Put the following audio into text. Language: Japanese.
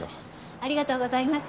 ありがとうございます。